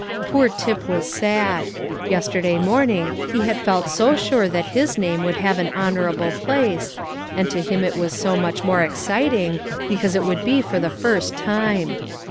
Poor Tip was sad; yesterday morning he had felt so sure that his name would have an honourable place, and to him it was so much more exciting, because it would be for the first time.